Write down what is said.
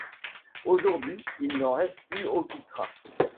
Aujourd'hui, il n'en reste plus aucune trace.